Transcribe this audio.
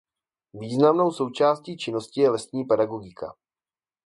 Významnou součástí činnosti je lesní pedagogika.